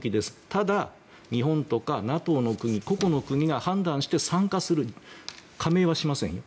ただ、日本とかＮＡＴＯの国など個々の国が判断して参加する加盟はしませんよ。